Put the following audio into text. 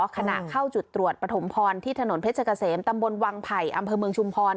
ขณะเข้าจุดตรวจปฐมพรที่ถนนเพชรเกษมตำบลวังไผ่อำเภอเมืองชุมพร